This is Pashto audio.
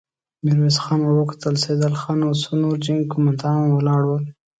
ميرويس خان ور وکتل، سيدال خان او څو نور جنګي قوماندان ولاړ ول.